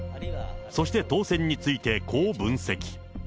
そして当選について、こう分析。